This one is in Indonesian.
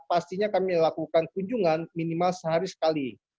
pastinya kami lakukan kunjungan minimal sehari sekali